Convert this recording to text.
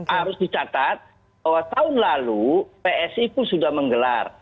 harus dicatat bahwa tahun lalu psi pun sudah menggelar